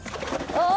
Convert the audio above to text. ああ。